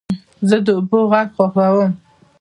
زه د اوبو غږ خوښوم.